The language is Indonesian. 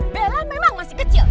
bella memang masih kecil